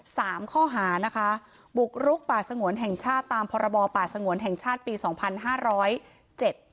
สามข้อหานะคะบุกรุกป่าสงวนแห่งชาติตามพรบป่าสงวนแห่งชาติปีสองพันห้าร้อยเจ็ด